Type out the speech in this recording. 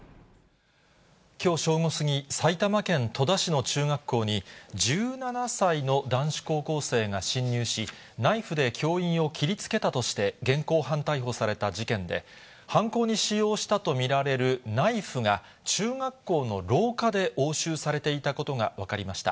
きょう正午過ぎ、埼玉県戸田市の中学校に、１７歳の男子高校生が侵入し、ナイフで教員を切りつけたとして現行犯逮捕された事件で、犯行に使用したと見られるナイフが、中学校の廊下で押収されていたことが分かりました。